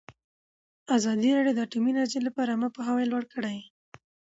ازادي راډیو د اټومي انرژي لپاره عامه پوهاوي لوړ کړی.